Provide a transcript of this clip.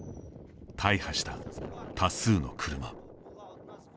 大破した多数の車。